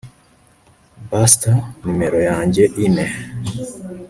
Buster numero yanjye ine